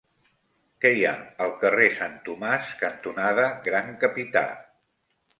Què hi ha al carrer Sant Tomàs cantonada Gran Capità?